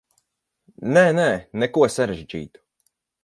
Nē, nē, neko sarežģītu.